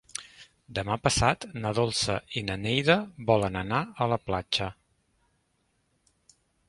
Demà passat na Dolça i na Neida volen anar a la platja.